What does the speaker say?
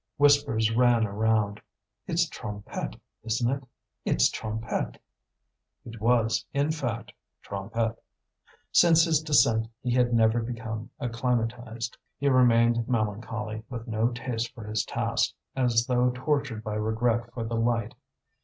Whispers ran around: "It's Trompette, isn't it? it's Trompette." It was, in fact, Trompette. Since his descent he had never become acclimatized. He remained melancholy, with no taste for his task, as though tortured by regret for the light.